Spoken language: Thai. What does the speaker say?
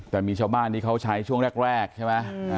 แต่มีชาวบ้านที่เขาใช้ช่วงแรกใช่ไหม